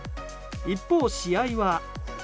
一方、試合は。